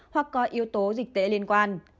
hoặc có yếu tố dịch tễ liên quan